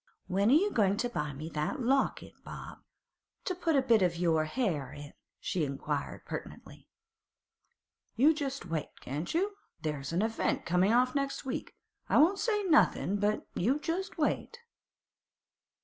'When are you goin' to buy me that locket, Bob, to put a bit of your 'air in?' she inquired pertinently. 'You just wait, can't you? There's a event coming off next week. I won't say nothing, but you just wait.